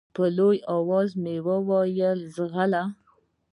په لوړ اواز مې وويل ځغله.